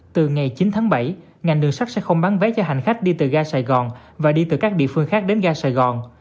từ ngày chín tháng bảy ngành đường sắt sẽ không bán vé cho hành khách đi từ ga sài gòn và đi từ các địa phương khác đến ga sài gòn